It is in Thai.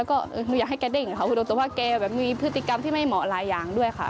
แล้วก็หนูอยากให้เกรียรู้ว่าเกรียรู้ว่ามีพฤติกรรมที่ไม่เหมาะหลายอย่างด้วยค่ะ